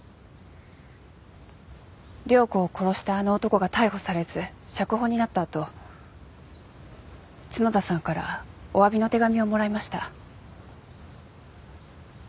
涼子を殺したあの男が逮捕されず釈放になった後角田さんからおわびの手紙をもらいました。